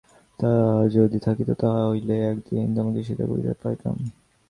তা যদি থাকিত, তাহা হইলে এতদিন তোমাকে সিধা করিতে পারিতাম।